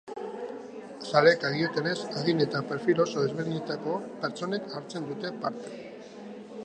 Zaleek diotenez, adin eta perfil oso ezberdinetako pertsonek hartzen dute parte.